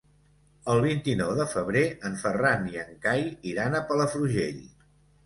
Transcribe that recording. El vint-i-nou de febrer en Ferran i en Cai iran a Palafrugell.